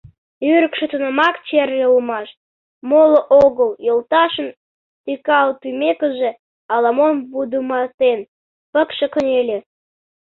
Юрикше тунамак черле улмаш, моло огыл, йолташын тӱкалтымекыже, ала-мом вудыматен, пыкше кынеле.